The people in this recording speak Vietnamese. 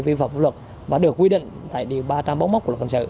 vì vọng luật và được quy định tại điều ba trăm linh bóng móc của luật lực hành xử